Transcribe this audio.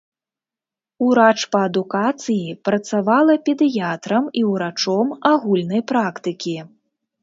Урач па адукацыі, працавала педыятрам і ўрачом агульнай практыкі.